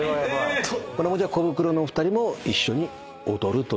コブクロのお二人も一緒に踊るということで？